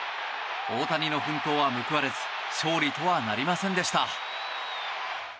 大谷の奮闘は報われず勝利とはなりませんでした。